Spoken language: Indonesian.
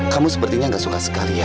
kamu sepertinya gak suka sekali ya